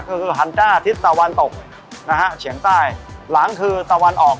ก็คือฮันจ้าทิศตะวันตกนะฮะเฉียงใต้หลังคือตะวันออก